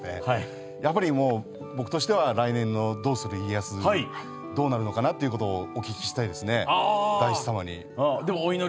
僕としては来年の「どうする家康」どうなるのかなということをお聞きしたいですね、大師様に。